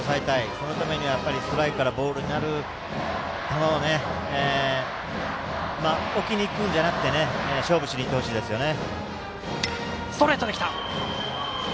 そのためにはストライクからボールになる球を置きに行くんじゃなくて勝負しに行ってほしいですね。